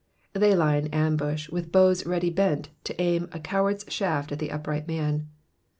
'*'' They lie in ambush, with bows ready bent to aim a coward^s shaft at the upright man.